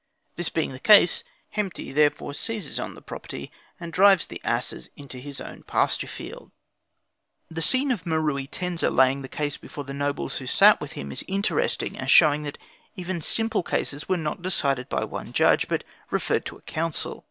This being the case, Hemti therefore seizes on the property, and drives the asses into his own pasture field. The scene of Meruitensa laying the case before the nobles who sat with him is interesting as showing that even simple cases were not decided by one judge, but referred to a council.